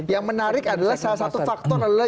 yang menarik adalah salah satu faktor adalah